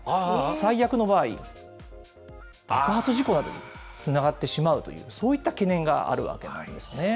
最悪の場合、爆発事故などにもつながってしまうという、そういった懸念があるわけなんですね。